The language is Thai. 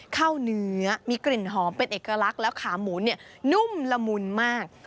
เนื้อมีกลิ่นหอมเป็นเอกลักษณ์แล้วขาหมูเนี่ยนุ่มละมุนมาก